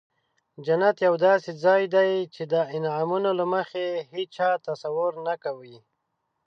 جنت یو داسې ځای دی چې د انعامونو له مخې هیچا تصور نه کوي.